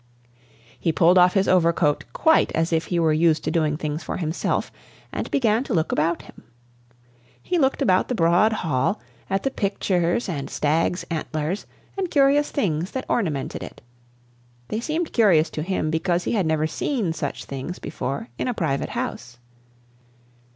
He pulled off his overcoat quite as if he were used to doing things for himself, and began to look about him. He looked about the broad hall, at the pictures and stags' antlers and curious things that ornamented it. They seemed curious to him because he had never seen such things before in a private house.